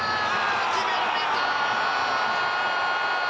決められた！